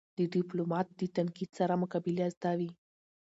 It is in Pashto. د ډيپلومات د تنقید سره مقابله زده وي.